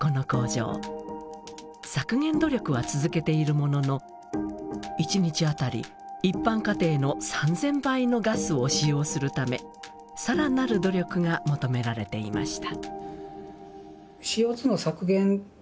削減努力は続けているものの１日あたり一般家庭の３，０００倍のガスを使用するため更なる努力が求められていました。